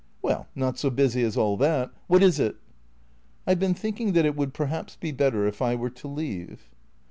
"Well — not so busy as all that. What is it?" " I 've been thinking that it would perhaps be better if I were to leave."